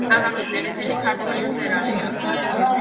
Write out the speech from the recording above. აკაკი წერეთელი ქართველი მწერალია